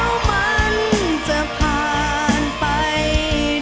แล้วมันจะผ่านไป